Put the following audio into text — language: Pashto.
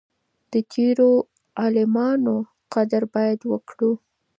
د تيرو عالمانو قدر بايد وکړو.